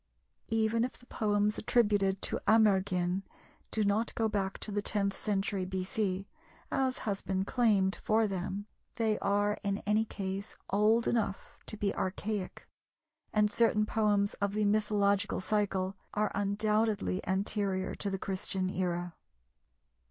Even if the poems attributed to Amergin do not go back to the tenth century B.C., as has been claimed for them, they are in any case old enough to be archaic, and certain poems of the mythological cycle are undoubtedly anterior to the Christian era.